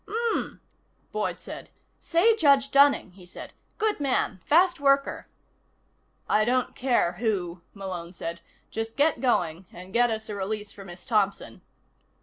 "Mmm," Boyd said. "Say Judge Dunning," he said. "Good man. Fast worker." "I don't care who," Malone said. "Just get going, and get us a release for Miss Thompson."